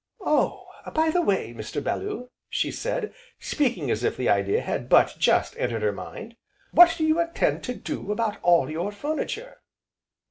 "Oh! by the way, Mr. Bellew," she said, speaking as if the idea had but just entered her mind, "what do you intend to do about all your furniture?"